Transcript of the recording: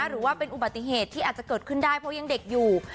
หรือว่าเป็นอุบัติเหตุที่อาจจะเกิดขึ้นได้เพราะยังเด็กอยู่